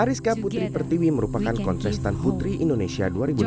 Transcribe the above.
ariska putri pertiwi merupakan kontestan putri indonesia dua ribu enam belas